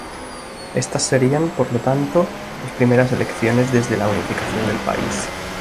Estas serían, por lo tanto, las primeras elecciones desde la unificación del país.